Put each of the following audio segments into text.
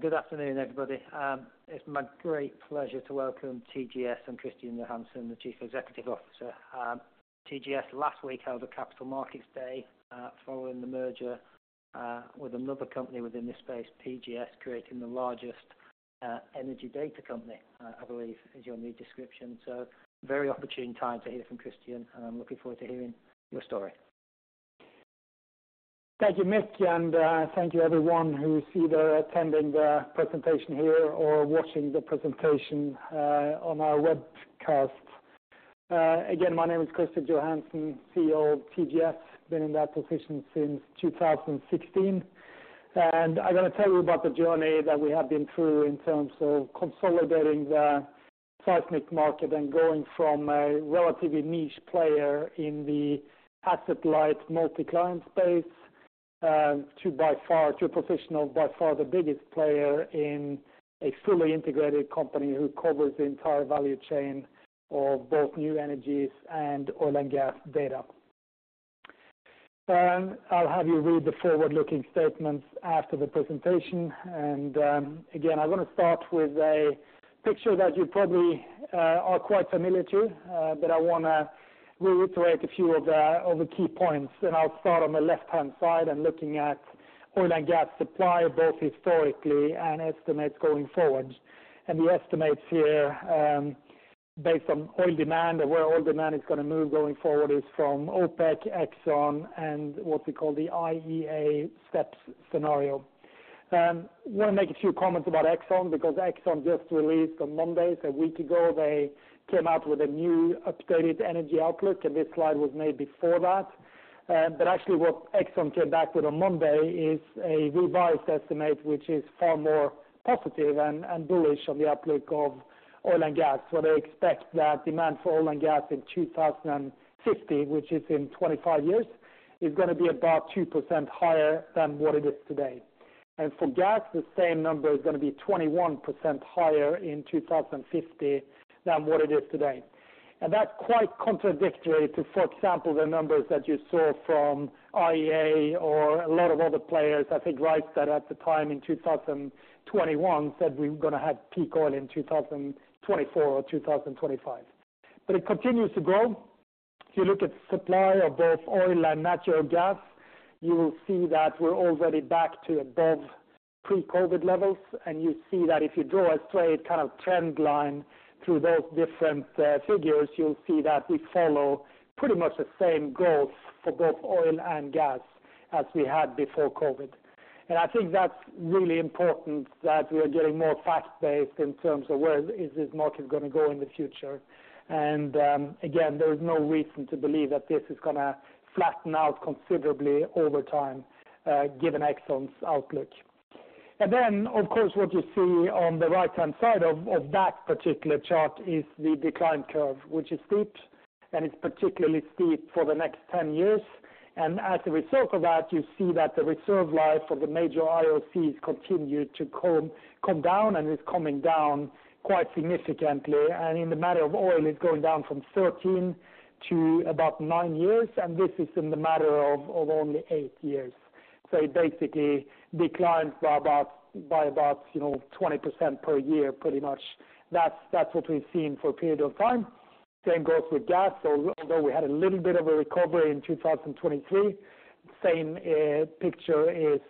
Good afternoon, everybody. It's my great pleasure to welcome TGS and Kristian Johansen, the Chief Executive Officer. TGS last week held a Capital Markets Day, following the merger with another company within this space, PGS, creating the largest energy data company, I believe is your new description. So very opportune time to hear from Kristian, and I'm looking forward to hearing your story. Thank you, Mick, and thank you everyone who is either attending the presentation here or watching the presentation on our webcast. Again, my name is Kristian Johansen, CEO of TGS. Been in that position since 2016, and I'm gonna tell you about the journey that we have been through in terms of consolidating the seismic market and going from a relatively niche player in the asset-light multi-client space to, by far, to a professional, by far the biggest player in a fully integrated company who covers the entire value chain of both new energies and oil and gas data. I'll have you read the forward-looking statements after the presentation, and again, I wanna start with a picture that you probably are quite familiar to, but I wanna reiterate a few of the key points. I'll start on the left-hand side and looking at oil and gas supply, both historically and estimates going forward. The estimates here, based on oil demand and where oil demand is gonna move going forward, is from OPEC, Exxon, and what we call the IEA STEPS Scenario. I wanna make a few comments about Exxon, because Exxon just released on Monday. A week ago, they came out with a new updated energy outlook, and this slide was made before that. Actually, what Exxon came back with on Monday is a revised estimate, which is far more positive and bullish on the outlook of oil and gas, where they expect that demand for oil and gas in 2050, which is in 25 years, is gonna be about 2% higher than what it is today. And for gas, the same number is gonna be 21% higher in 2050 than what it is today. And that's quite contradictory to, for example, the numbers that you saw from IEA or a lot of other players. I think Rystad, that at the time, in 2021, said we're gonna have peak oil in 2024 or 2025. But it continues to grow. If you look at supply of both oil and natural gas, you will see that we're already back to above pre-COVID levels. And you see that if you draw a straight kind of trend line through those different figures, you'll see that we follow pretty much the same growth for both oil and gas as we had before COVID. And I think that's really important, that we are getting more fact-based in terms of where is this market gonna go in the future. And, again, there is no reason to believe that this is gonna flatten out considerably over time, given Exxon's outlook. And then, of course, what you see on the right-hand side of that particular chart is the decline curve, which is steep, and it's particularly steep for the next ten years. And as a result of that, you see that the reserve life of the major IOCs continued to come down, and it's coming down quite significantly. And in the matter of oil, it's going down from thirteen to about nine years, and this is in the matter of only eight years. So it basically declines by about, you know, 20% per year, pretty much. That's what we've seen for a period of time. Same goes with gas. So although we had a little bit of a recovery in 2023, same picture is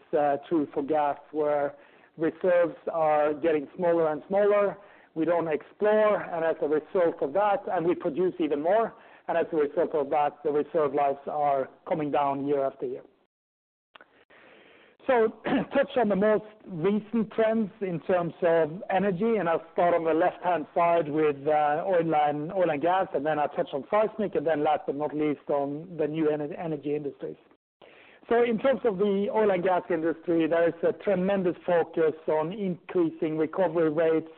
true for gas, where reserves are getting smaller and smaller. We don't explore, and as a result of that. And we produce even more, and as a result of that, the reserve lives are coming down year after year. So touch on the most recent trends in terms of energy, and I'll start on the left-hand side with oil and gas, and then I'll touch on seismic, and then last but not least, on the new energy industries. So in terms of the oil and gas industry, there is a tremendous focus on increasing recovery rates,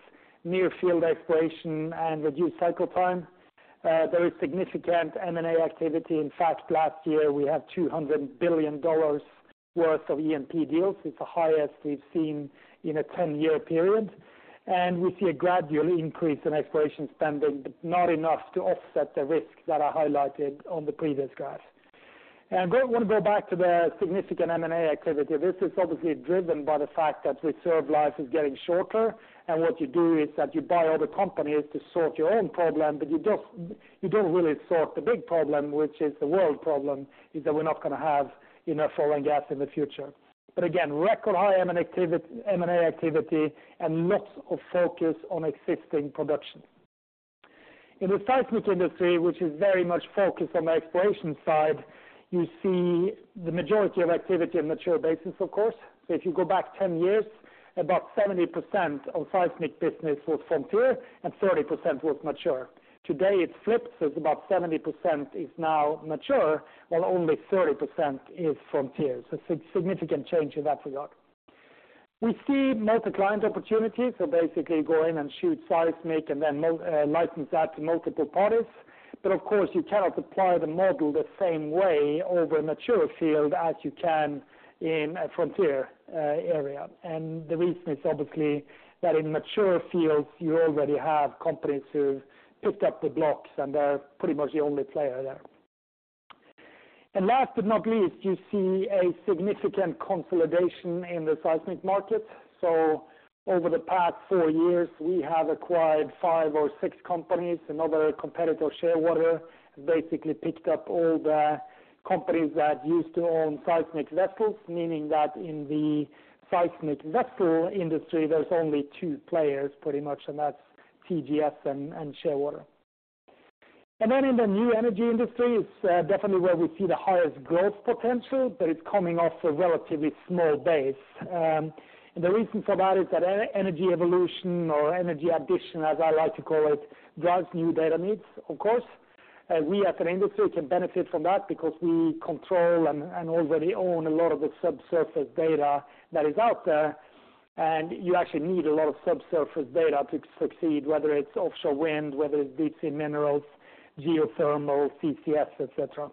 near-field exploration, and reduced cycle time. There is significant M&A activity. In fact, last year, we had $200 billion worth of E&P deals. It's the highest we've seen in a 10-year period, and we see a gradual increase in exploration spending, but not enough to offset the risks that I highlighted on the previous graph. And wanna go back to the significant M&A activity. This is obviously driven by the fact that reserve life is getting shorter, and what you do is that you buy other companies to sort your own problem, but you don't really sort the big problem, which is the world problem, that we're not gonna have enough oil and gas in the future. But again, record high M&A activity and lots of focus on existing production. In the seismic industry, which is very much focused on the exploration side, you see the majority of activity in mature basins, of course, so if you go back 10 years, about 70% of seismic business was frontier and 30% was mature. Today, it's flipped, so it's about 70% is now mature, while only 30% is frontier, so significant change in that regard. We see multi-client opportunities, so basically go in and shoot seismic and then license that to multiple parties, but of course, you cannot apply the model the same way over a mature field as you can in a frontier area, and the reason is obviously that in mature fields, you already have companies who've picked up the blocks, and they're pretty much the only player there, and last but not least, you see a significant consolidation in the seismic market. So over the past four years, we have acquired five or six companies. Another competitor, Shearwater, basically picked up all the companies that used to own seismic vessels, meaning that in the seismic vessel industry, there's only two players, pretty much, and that's TGS and Shearwater. And then in the new energy industry, it's definitely where we see the highest growth potential, but it's coming off a relatively small base. And the reason for that is that energy evolution or energy addition, as I like to call it, drives new data needs, of course. We as an industry can benefit from that because we control and already own a lot of the subsurface data that is out there. And you actually need a lot of subsurface data to succeed, whether it's offshore wind, whether it's deep sea minerals, geothermal, CCS, et cetera.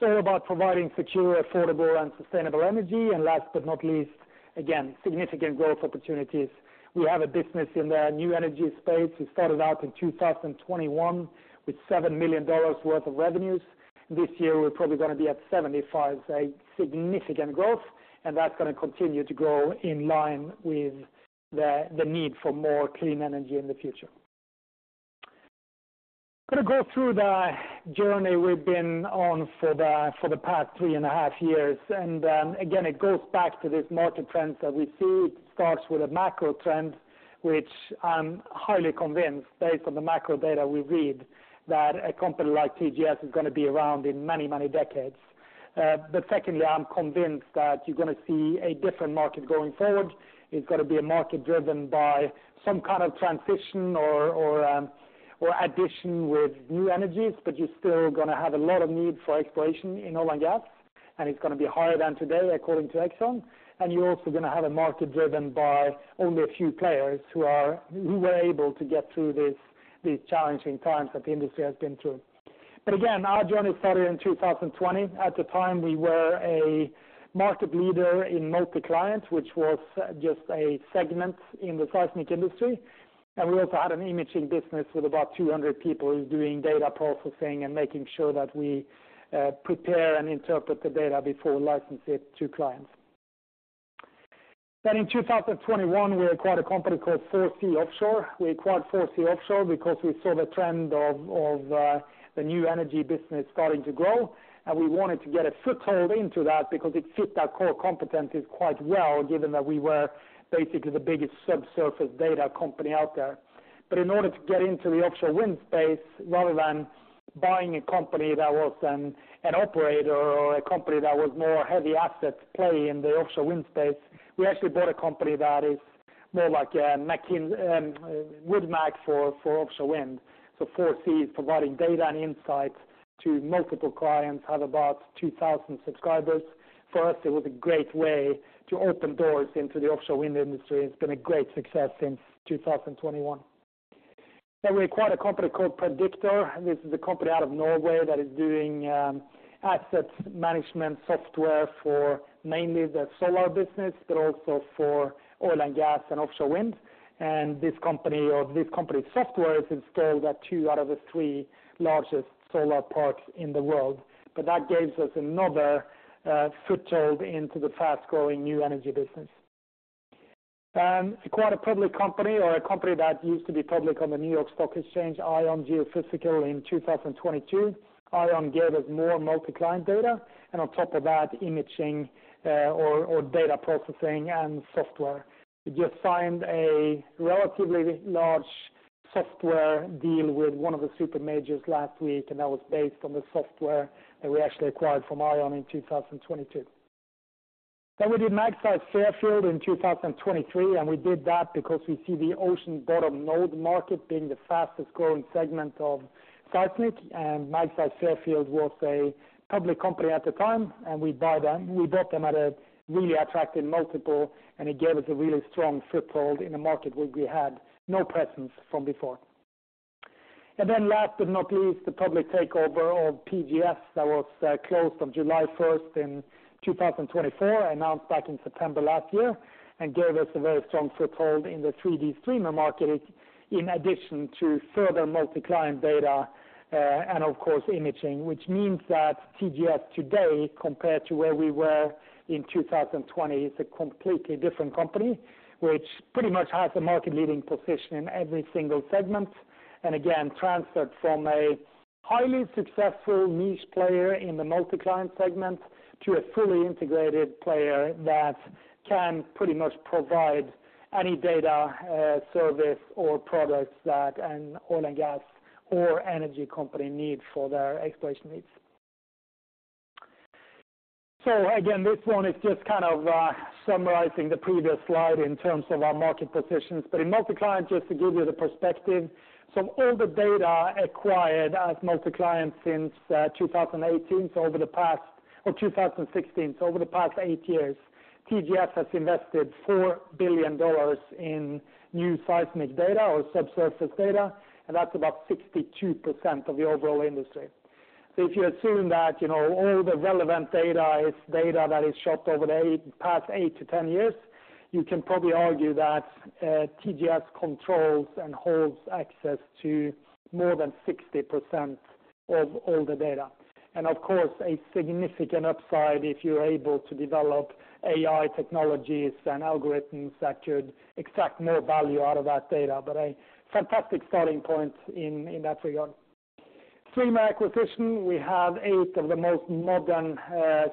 So about providing secure, affordable, and sustainable energy, and last but not least, again, significant growth opportunities. We have a business in the new energy space. We started out in 2021 with $7 million worth of revenues. This year, we're probably gonna be at $75 million, say, significant growth, and that's gonna continue to grow in line with the, the need for more clean energy in the future. Gonna go through the journey we've been on for the, for the past three and a half years, and, again, it goes back to this market trends that we see. It starts with a macro trend, which I'm highly convinced, based on the macro data we read, that a company like TGS is gonna be around in many, many decades. But secondly, I'm convinced that you're gonna see a different market going forward. It's gonna be a market driven by some kind of transition or addition with new energies, but you're still gonna have a lot of need for exploration in oil and gas, and it's gonna be higher than today, according to Exxon. And you're also gonna have a market driven by only a few players who were able to get through this, these challenging times that the industry has been through. But again, our journey started in 2020. At the time, we were a market leader in multi-client, which was just a segment in the seismic industry. And we also had an imaging business with about 200 people doing data processing and making sure that we prepare and interpret the data before we license it to clients. Then in 2021, we acquired a company called 4C Offshore. We acquired 4C Offshore because we saw the trend of the new energy business starting to grow, and we wanted to get a foothold into that because it fit our core competencies quite well, given that we were basically the biggest subsurface data company out there. But in order to get into the offshore wind space, rather than buying a company that was an operator or a company that was more heavy asset play in the offshore wind space, we actually bought a company that is more like a WoodMac for offshore wind. So 4C is providing data and insights to multiple clients, have about 2000 subscribers. For us, it was a great way to open doors into the offshore wind industry, and it's been a great success since 2021. Then we acquired a company called Prediktor. This is a company out of Norway that is doing asset management software for mainly the solar business, but also for oil and gas and offshore wind. This company, or this company's software, is installed at two out of the three largest solar parks in the world. That gives us another foothold into the fast-growing new energy business. Acquired a public company or a company that used to be public on the New York Stock Exchange, ION Geophysical, in 2022. ION gave us more multi-client data, and on top of that, imaging, or data processing and software. We just signed a relatively large software deal with one of the supermajors last week, and that was based on the software that we actually acquired from ION in 2022. Then we did Magseis Fairfield in 2023, and we did that because we see the ocean bottom node market being the fastest growing segment of seismic. And Magseis Fairfield was a public company at the time, and we buy them. We bought them at a really attractive multiple, and it gave us a really strong foothold in a market where we had no presence from before. And then last but not least, the public takeover of PGS that was closed on July first in 2024, announced back in September last year, and gave us a very strong foothold in the 3D streamer market, in addition to further multi-client data, and of course, imaging, which means that TGS today, compared to where we were in 2020 is a completely different company, which pretty much has a market-leading position in every single segment. And again, transferred from a highly successful niche player in the multi-client segment to a fully integrated player that can pretty much provide any data, service or products that an oil and gas or energy company need for their exploration needs. So again, this one is just kind of summarizing the previous slide in terms of our market positions. But in multi-client, just to give you the perspective, so all the data acquired as multi-client since 2018, so over the past or 2016, so over the past eight years, TGS has invested $4 billion in new seismic data or subsurface data, and that's about 62% of the overall industry. So if you assume that, you know, all the relevant data is data that is shot over the past eight to 10 years, you can probably argue that TGS controls and holds access to more than 60% of all the data. And of course, a significant upside if you're able to develop AI technologies and algorithms that could extract more value out of that data, but a fantastic starting point in that regard. Streamer acquisition, we have eight of the most modern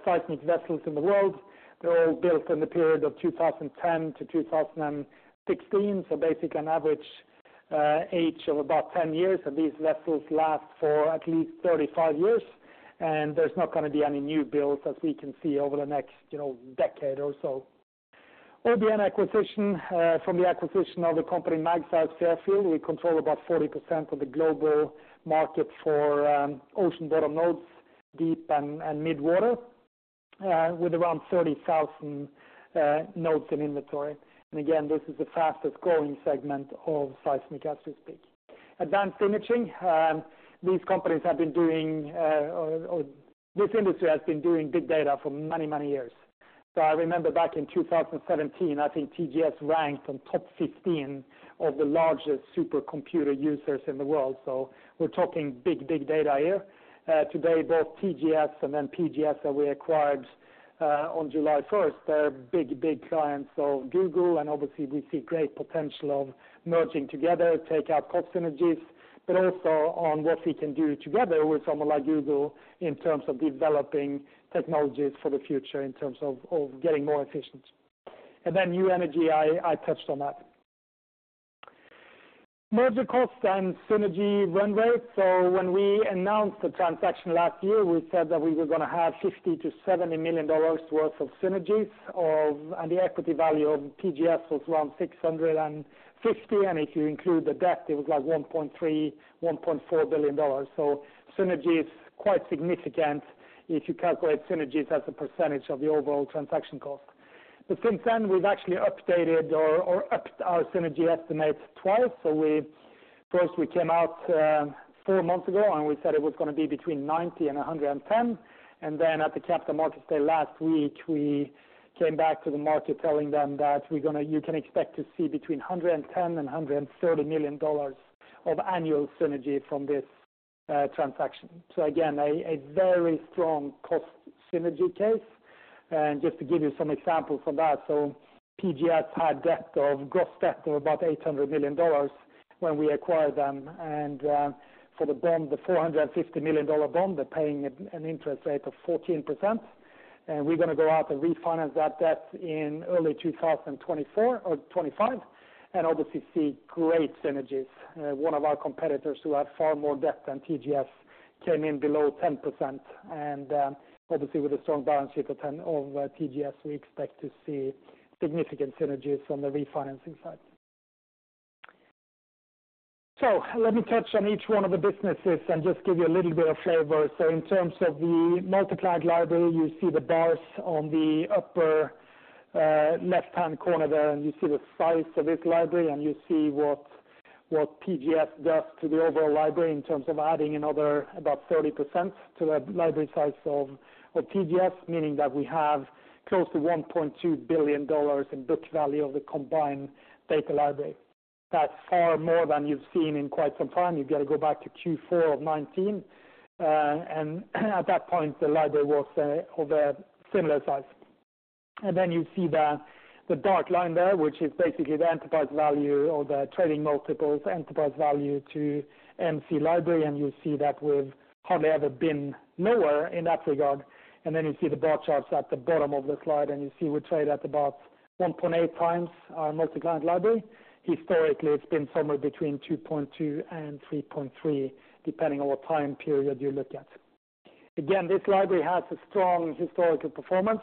seismic vessels in the world. They're all built in the period of 2010 to 2016, so basically an average age of about 10 years, and these vessels last for at least 35 years, and there's not gonna be any new builds, as we can see, over the next, you know, decade or so. OBN acquisition, from the acquisition of the company Magseis Fairfield, we control about 40% of the global market for ocean bottom nodes, deep and mid-water, with around 30,000 nodes in inventory, and again, this is the fastest growing segment of seismic as we speak. Advanced imaging, these companies have been doing or this industry has been doing big data for many, many years. So I remember back in 2017, I think TGS ranked on top 15 of the largest supercomputer users in the world, so we're talking big, big data here. Today, both TGS and then PGS that we acquired on July first are big, big clients of Google, and obviously we see great potential of merging together, take out cost synergies, but also on what we can do together with someone like Google in terms of developing technologies for the future, in terms of getting more efficient. And then New Energy, I touched on that. Merger costs and synergy run rate. So when we announced the transaction last year, we said that we were gonna have $50-$70 million worth of synergies of and the equity value of TGS was around 660, and if you include the debt, it was like $1.3-$1.4 billion. So synergies, quite significant if you calculate synergies as a percentage of the overall transaction cost. But since then, we've actually updated or upped our synergy estimates twice. So we first, we came out four months ago, and we said it was gonna be between 90 and 110. And then at the Capital Markets Day last week, we came back to the market telling them that we're gonna you can expect to see between 110 and 130 million dollars of annual synergy from this transaction. So again, a very strong cost synergy case. And just to give you some examples from that. PGS had debt of, gross debt of about $800 million when we acquired them. And for the bond, the $450 million bond, they're paying an interest rate of 14%, and we're gonna go out and refinance that debt in early 2024 or 2025, and obviously see great synergies. One of our competitors, who have far more debt than TGS, came in below 10%, and obviously with a strong balance sheet of TGS, we expect to see significant synergies on the refinancing side. So let me touch on each one of the businesses and just give you a little bit of flavor. So in terms of the multi-client library, you see the bars on the upper, left-hand corner there, and you see the size of this library, and you see what PGS does to the overall library in terms of adding another about 30% to the library size of TGS, meaning that we have close to $1.2 billion in book value of the combined data library. That's far more than you've seen in quite some time. You've got to go back to Q4 of 2019, and at that point, the library was of a similar size. And then you see the dark line there, which is basically the enterprise value or the trading multiples, enterprise value to MC library, and you see that we've hardly ever been lower in that regard. And then you see the bar charts at the bottom of the slide, and you see we trade at about 1.8 times our multi-client library. Historically, it's been somewhere between 2.2 and 3.3, depending on what time period you look at. Again, this library has a strong historical performance.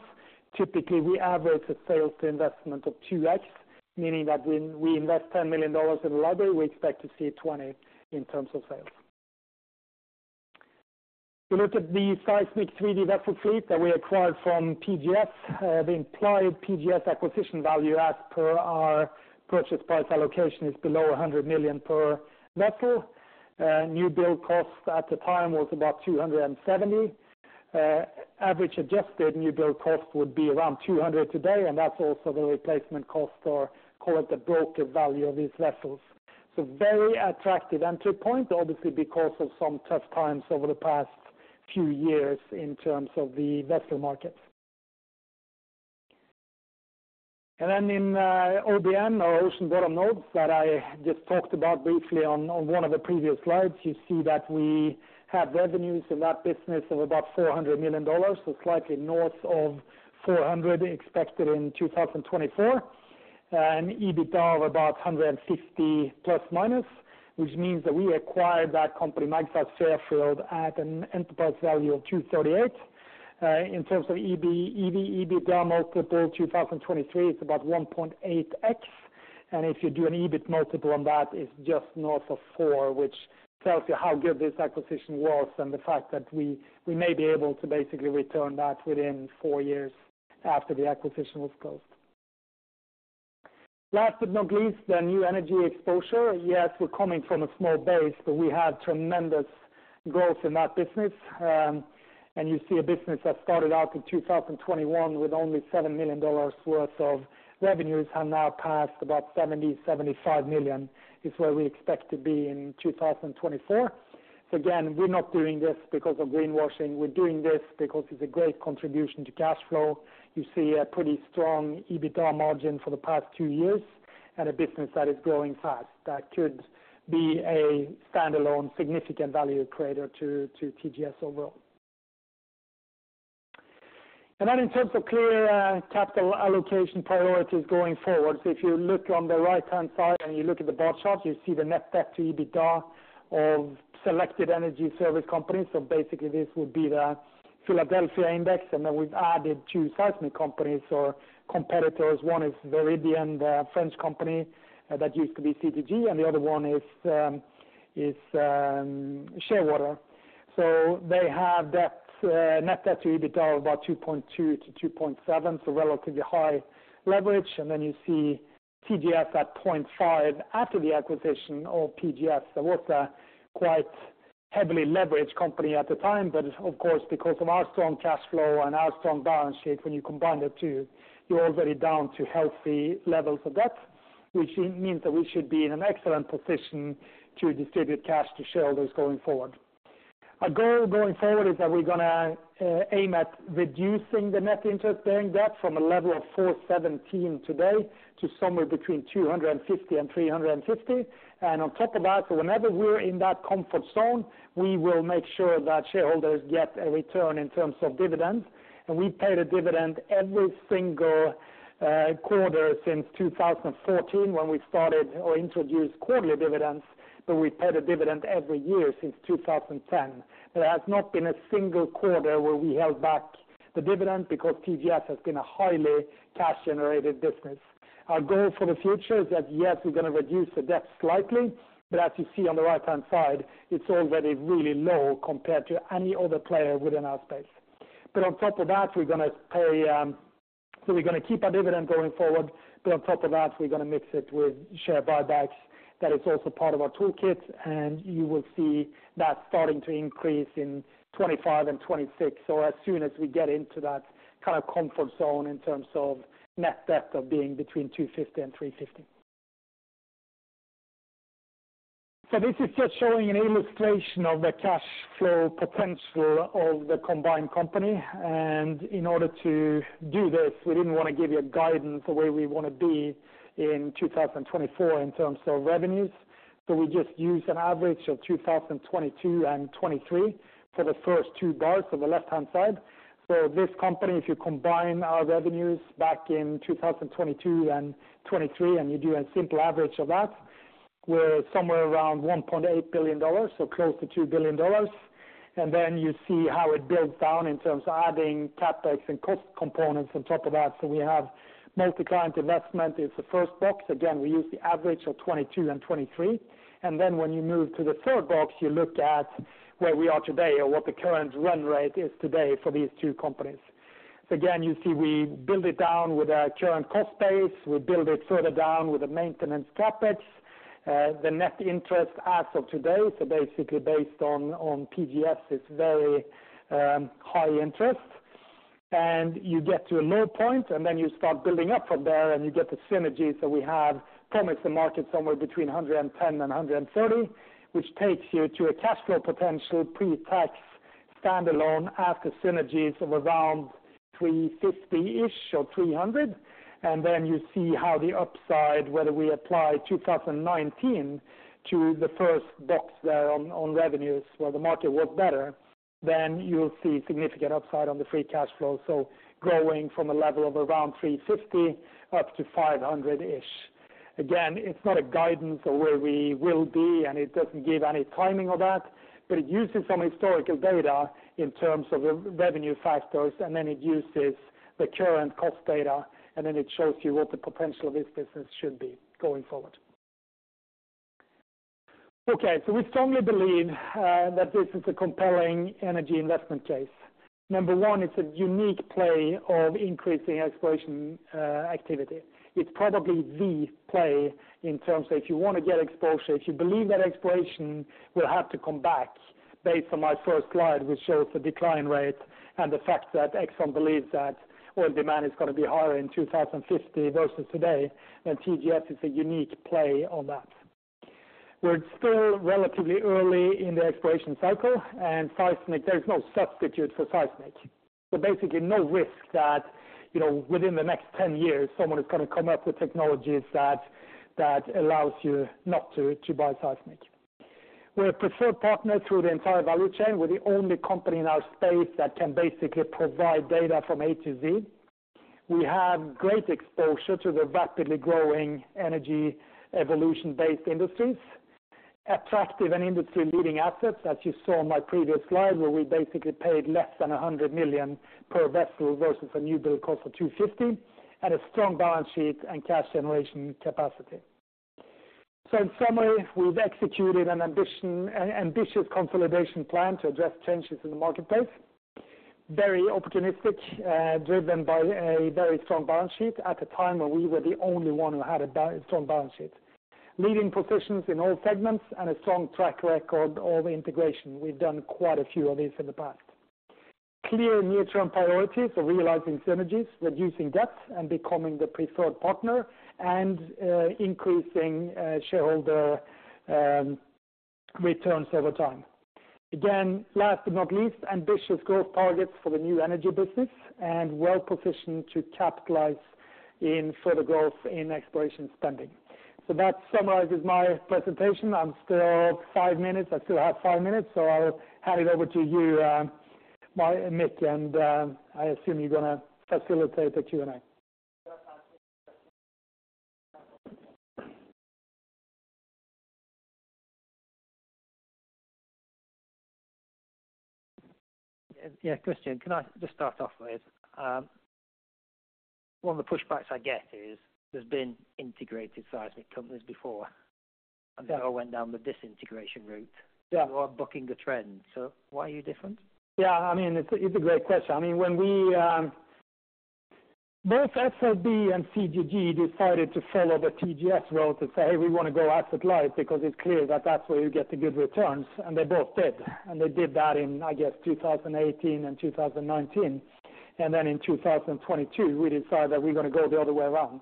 Typically, we average a sales to investment of 2x, meaning that when we invest $10 million in the library, we expect to see $20 million in terms of sales. We looked at the seismic 3D vessel fleet that we acquired from PGS. The implied PGS acquisition value as per our purchase price allocation is below $100 million per vessel. New build cost at the time was about $270 million. Average adjusted new build cost would be around $200 million today, and that's also the replacement cost or call it the broker value of these vessels. So very attractive entry point, obviously, because of some tough times over the past few years in terms of the vessel market. And then in OBN or Ocean Bottom Nodes that I just talked about briefly on one of the previous slides, you see that we have revenues in that business of about $400 million, so slightly north of $400 million expected in 2024, and EBITDA of about $150 million plus or minus, which means that we acquired that company, Magseis Fairfield, at an enterprise value of $238 million. In terms of EBITDA multiple 2023, it's about 1.8x, and if you do an EBIT multiple on that, it's just north of 4, which tells you how good this acquisition was and the fact that we may be able to basically return that within 4 years after the acquisition was closed. Last but not least, the new energy exposure. Yes, we're coming from a small base, but we had tremendous growth in that business. And you see a business that started out in 2021 with only $7 million worth of revenues, have now passed about $70-$75 million, is where we expect to be in 2024. So again, we're not doing this because of greenwashing. We're doing this because it's a great contribution to cash flow. You see a pretty strong EBITDA margin for the past two years and a business that is growing fast, that could be a standalone, significant value creator to TGS overall. And then in terms of clear capital allocation priorities going forward, so if you look on the right-hand side and you look at the bar chart, you see the net debt to EBITDA of selected energy service companies. So basically, this would be the Philadelphia Index, and then we've added two seismic companies or competitors. One is Viridien, the French company that used to be CGG, and the other one is Shearwater. So they have debt, net debt to EBITDA of about 2.2-2.7, so relatively high leverage. And then you see TGS at 0.5 after the acquisition of PGS. That was a quite heavily leveraged company at the time, but of course, because of our strong cash flow and our strong balance sheet, when you combine the two, you're already down to healthy levels of debt, which means that we should be in an excellent position to distribute cash to shareholders going forward. Our goal going forward is that we're gonna aim at reducing the net interest-bearing debt from a level of $417 today to somewhere between $250 and $350. And on top of that, whenever we're in that comfort zone, we will make sure that shareholders get a return in terms of dividends. And we've paid a dividend every single quarter since 2014, when we started or introduced quarterly dividends, but we paid a dividend every year since 2010. There has not been a single quarter where we held back the dividend because PGS has been a highly cash-generated business. Our goal for the future is that, yes, we're gonna reduce the debt slightly, but as you see on the right-hand side, it's already really low compared to any other player within our space. But on top of that, we're gonna pay, so we're gonna keep our dividend going forward, but on top of that, we're gonna mix it with share buybacks. That is also part of our toolkit, and you will see that starting to increase in 2025 and 2026, or as soon as we get into that kind of comfort zone in terms of net debt of being between 250 and 350. So this is just showing an illustration of the cash flow potential of the combined company. And in order to do this, we didn't want to give you a guidance of where we wanna be in 2024 in terms of revenues. So we just used an average of 2022 and 2023 for the first two bars on the left-hand side. So this company, if you combine our revenues back in 2022 and 2023, and you do a simple average of that, we're somewhere around $1.8 billion, so close to $2 billion. And then you see how it builds down in terms of adding CapEx and cost components on top of that. So we have multi-client investment is the first box. Again, we use the average of 2022 and 2023. And then when you move to the third box, you look at where we are today or what the current run rate is today for these two companies. So again, you see we build it down with our current cost base. We build it further down with the maintenance CapEx, the net interest as of today, so basically based on PGS, it's very high interest. And you get to a low point, and then you start building up from there, and you get the synergies that we have promised the market somewhere between a hundred and ten and a hundred and thirty, which takes you to a cash flow potential, pre-tax, standalone, after synergies of around three fifty-ish or three hundred. And then you see how the upside, whether we apply 2019 to the first box there on revenues, where the market was better, then you'll see significant upside on the free cash flow. So growing from a level of around 350 up to 500-ish. Again, it's not a guidance of where we will be, and it doesn't give any timing of that, but it uses some historical data in terms of the revenue factors, and then it uses the current cost data, and then it shows you what the potential of this business should be going forward. Okay, so we strongly believe that this is a compelling energy investment case. Number one, it's a unique play of increasing exploration activity. It's probably the play in terms of if you want to get exposure, if you believe that exploration will have to come back based on my first slide, which shows the decline rate and the fact that Exxon believes that oil demand is gonna be higher in 2050 versus today, then TGS is a unique play on that. We're still relatively early in the exploration cycle, and seismic, there is no substitute for seismic. So basically no risk that, you know, within the next ten years, someone is gonna come up with technologies that allows you not to buy seismic. We're a preferred partner through the entire value chain. We're the only company in our space that can basically provide data from A to Z. We have great exposure to the rapidly growing energy evolution-based industries, attractive and industry-leading assets, as you saw in my previous slide, where we basically paid less than $100 million per vessel versus a new build cost of $250 million, and a strong balance sheet and cash generation capacity. So in summary, we've executed an ambitious consolidation plan to address changes in the marketplace. Very opportunistic, driven by a very strong balance sheet at a time when we were the only one who had a strong balance sheet. Leading positions in all segments and a strong track record of integration. We've done quite a few of these in the past. Clear near-term priorities of realizing synergies, reducing debt, and becoming the preferred partner, and increasing shareholder returns over time. Again, last but not least, ambitious growth targets for the new energy business and well-positioned to capitalize in further growth in exploration spending. So that summarizes my presentation. I still have five minutes, so I'll hand it over to you, Mick, and I assume you're gonna facilitate the Q&A. Yeah, Kristian, can I just start off with, one of the pushbacks I get is there's been integrated seismic companies before, and they all went down the disintegration route. Yeah. You are bucking the trend. So why are you different? Yeah, I mean, it's a great question. I mean, when we Both SLB and CGG decided to follow the TGS route to say, "Hey, we wanna go asset light," because it's clear that that's where you get the good returns, and they both did. And they did that in, I guess, 2018 and 2019. And then in 2022, we decided that we're gonna go the other way around.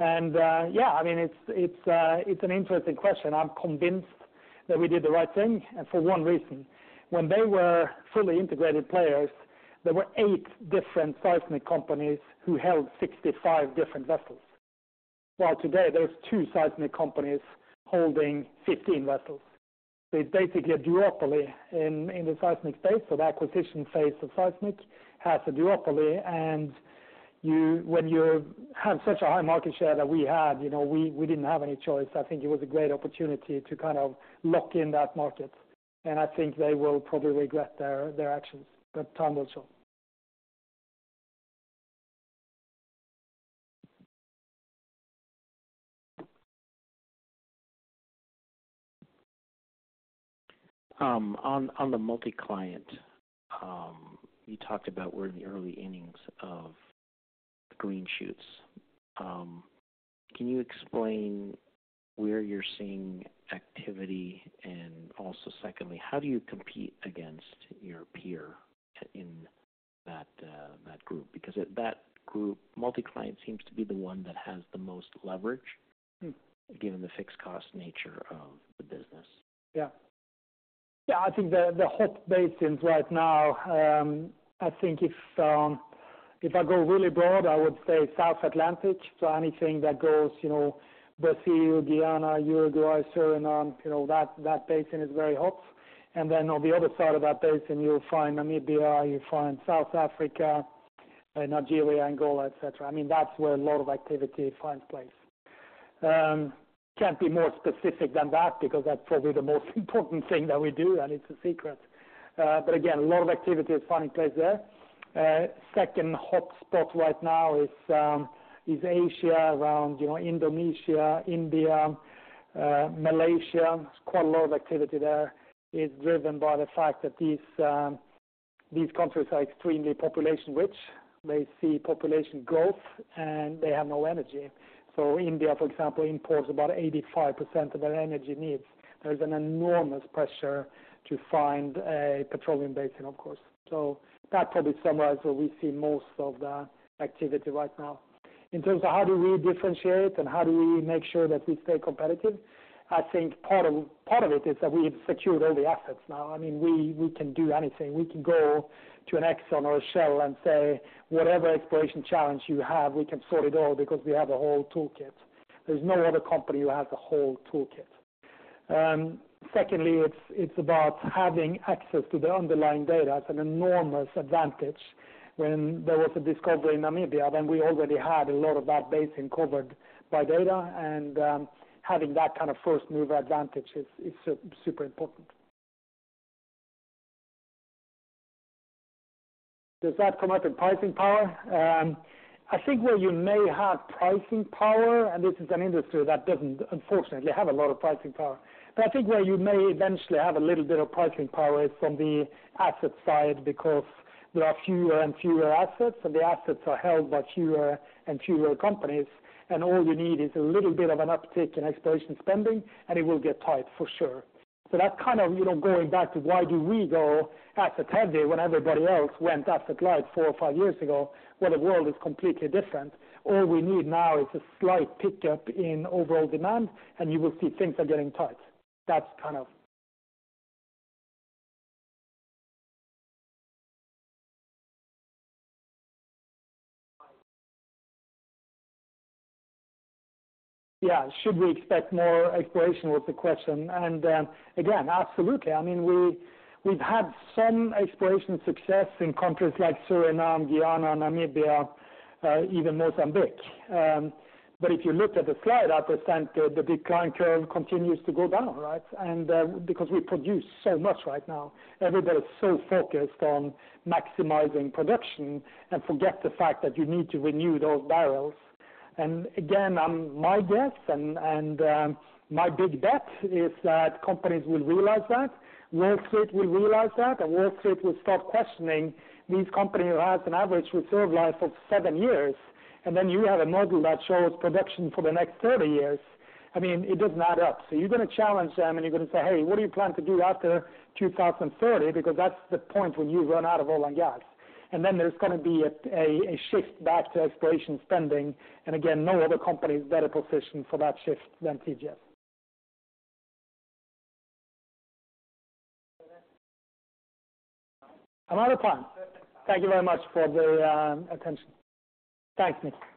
And yeah, I mean, it's an interesting question. I'm convinced that we did the right thing, and for one reason. When they were fully integrated players, there were eight different seismic companies who held 65 different vessels. While today, there's 2 seismic companies holding 15 vessels. So it's basically a duopoly in the seismic space. The acquisition phase of seismic has a duopoly, and when you have such a high market share that we had, you know, we didn't have any choice. I think it was a great opportunity to kind of lock in that market, and I think they will probably regret their actions, but time will show. On the multi-client, you talked about we're in the early innings of green shoots. Can you explain where you're seeing activity? And also, secondly, how do you compete against your peer in that group? Because at that group, multi-client seems to be the one that has the most leverage- Hmm. given the fixed cost nature of the business. Yeah. Yeah, I think the hot basins right now. I think if I go really broad, I would say South Atlantic, so anything that goes, you know, Brazil, Guyana, Uruguay, Suriname, you know, that basin is very hot. And then on the other side of that basin, you'll find Namibia, you find South Africa, and Nigeria, Angola, et cetera. I mean, that's where a lot of activity finds place. Can't be more specific than that because that's probably the most important thing that we do, and it's a secret. But again, a lot of activity is finding place there. Second hot spot right now is Asia, around, you know, Indonesia, India, Malaysia. There's quite a lot of activity there. It's driven by the fact that these countries are extremely population rich. They see population growth, and they have no energy. So India, for example, imports about 85% of their energy needs. There is an enormous pressure to find a petroleum basin, of course. So that probably summarizes where we see most of the activity right now. In terms of how do we differentiate and how do we make sure that we stay competitive, I think part of it is that we've secured all the assets now. I mean, we can do anything. We can go to an Exxon or a Shell and say, "Whatever exploration challenge you have, we can sort it all because we have a whole toolkit." There's no other company who has a whole toolkit. Secondly, it's about having access to the underlying data. It's an enormous advantage. When there was a discovery in Namibia, then we already had a lot of that basin covered by data, and having that kind of first-mover advantage is super important. Does that come out in pricing power? I think where you may have pricing power, and this is an industry that doesn't, unfortunately, have a lot of pricing power, but I think where you may eventually have a little bit of pricing power is from the asset side, because there are fewer and fewer assets, and the assets are held by fewer and fewer companies. And all you need is a little bit of an uptick in exploration spending, and it will get tight, for sure. That's kind of, you know, going back to why do we go asset heavy when everybody else went asset light four or five years ago. Well, the world is completely different. All we need now is a slight pickup in overall demand, and you will see things are getting tight. Yeah, should we expect more exploration, was the question. Again, absolutely. I mean, we've had some exploration success in countries like Suriname, Guyana, Namibia, even Mozambique. But if you looked at the slide, the percent decline trend continues to go down, right? Because we produce so much right now, everybody's so focused on maximizing production and forget the fact that you need to renew those barrels. And again, my guess and my big bet is that companies will realize that, Wall Street will realize that, and Wall Street will start questioning these companies who has an average reserve life of seven years, and then you have a model that shows production for the next thirty years. I mean, it doesn't add up. So you're gonna challenge them, and you're gonna say, "Hey, what do you plan to do after 2030? Because that's the point when you run out of oil and gas." And then there's gonna be a shift back to exploration spending, and again, no other company is better positioned for that shift than TGS. I'm out of time. Thank you very much for the attention. Thank you.